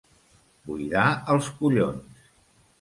Buidar els collons.